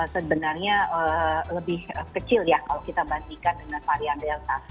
sebenarnya lebih kecil ya kalau kita bandingkan dengan varian delta